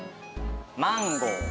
マンゴー。